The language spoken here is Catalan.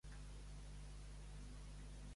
Els d'Olocau del Rei, raboses.